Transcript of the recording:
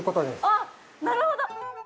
あっ、なるほど！